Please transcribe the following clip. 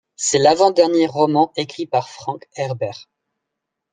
C'est l'avant-dernier roman écrit par Frank Herbert.